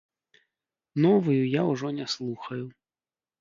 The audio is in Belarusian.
Новую я ўжо не слухаю.